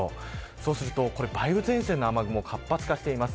そうすると梅雨前線の雨雲活発化しています。